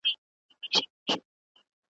رباب او سارنګ ژبه نه لري ,